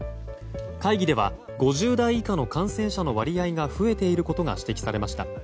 会議では５０代以下の感染者の割合が増えていることが指摘されました。